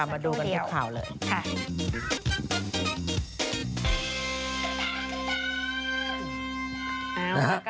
ค่ะมาดูกันทุกข่าวเลยสักครู่เดี๋ยวค่ะ